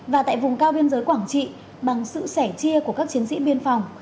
và tại vùng cao biên giới quảng trị bằng sự sẻ chia của các chiến sĩ biên phòng